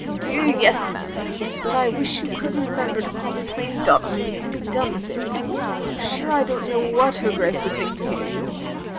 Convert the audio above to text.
" Dear yes, ma'am ; but I wish you could remem ber to call me plain Dtmham, and be done with it. I 'm sure I don't know what her Grace would think to hear you.